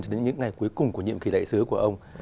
cho đến những ngày cuối cùng